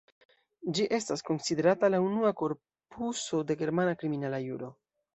Ĝi estas konsiderata la unua korpuso de germana kriminala juro.